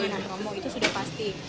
yang promo itu sudah pasti